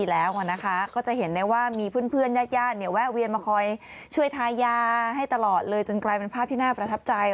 แล้วมาไว้ก็ได้เห็นว่าว่ามีเพื่อนยากแวะเวียนมาคอยช่วยทายาให้ตลอดเลยจนกลายเป็นภาพที่น่าประทับใจ